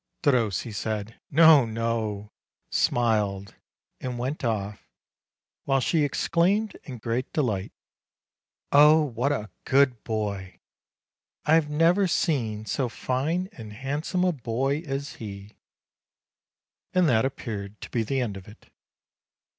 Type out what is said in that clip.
Derossi said "No, no!" smiled, and went off, while she exclaimed in great delight: "Oh, what a good boy! I have never seen so fine and handsome a boy as he!" And that appeared to be the end of it.